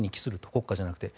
国家じゃなくて。